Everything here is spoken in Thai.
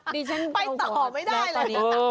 ไปต่อไม่ได้เลย